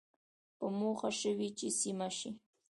په موخه شوې چې سیمه کې